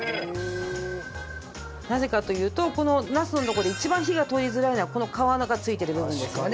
なぜかというとこのナスのとこで一番火が通りづらいのはこの皮がついてる部分ですよね。